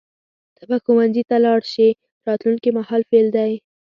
ته به ښوونځي ته لاړ شې راتلونکي مهال فعل دی.